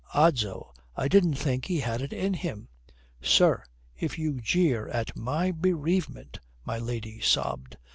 Odso, I didn't think he had it in him." "Sir, if you jeer at my bereavement!" my lady sobbed.